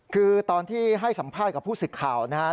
คือตอนที่ให้สัมภาษณ์กับผู้สื่อข่าวนะครับ